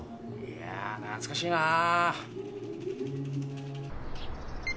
いやあ懐かしいなあ。